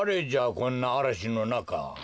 こんなあらしのなか。